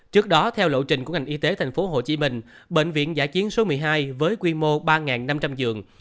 trước đó theo lộ trình của ngành y tế tp hcm bệnh viện giả chiến số một mươi hai với quy mô ba năm trăm linh giường